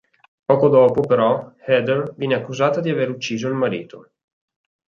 Poco dopo però, Heather viene accusata di aver ucciso il marito.